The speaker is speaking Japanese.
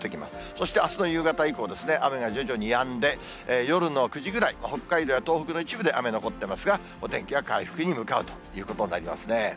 そしてあすの夕方以降ですね、雨が徐々に止んで、夜の９時ぐらい、北海道や東北の一部で雨残ってますが、お天気は回復に向かうということになりますね。